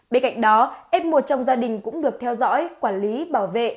bên cạnh đó f một trong gia đình cũng được theo dõi quản lý bảo vệ